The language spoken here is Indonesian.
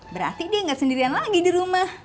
berarti dia nggak sendirian lagi di rumah